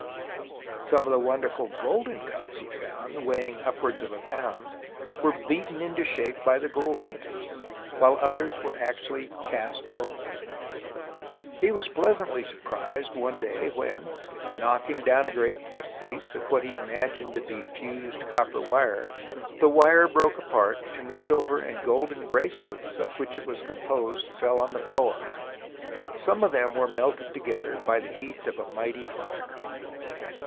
Some of the wonderful golden cups he found, weighing upwards of a pound, were beaten into shape by the goldsmith, others were actually cast gold. He was pleasantly 176 THE ROMANCE OF EXCAVATION 177 surprised one day when, knocking down a great thick piece of what he imagined to be fused copper wire, the wire broke apart and the silver and golden bracelets of which it was composed fell on the floor, some of them melted together by the heat of a mighty fire.